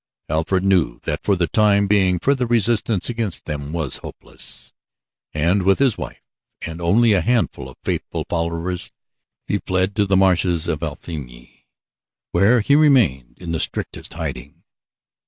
Alfred knew that for the time being further resistance against them was hopeless, and with his wife and only a handful of faithful followers he fled into the marshes of Athelney where he remained in the strictest hiding.